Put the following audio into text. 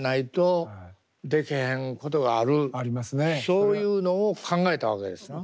そういうのを考えたわけですな？